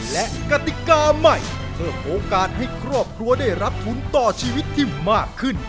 และกติกาใหม่เพิ่มโอกาสให้ครอบครัวได้รับทุนต่อชีวิตที่มากขึ้น